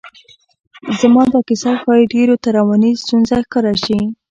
زما دا کیسه ښایي ډېرو ته رواني ستونزه ښکاره شي.